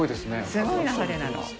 すごい流れなの。